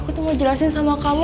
gue tuh mau jelasin sama kamu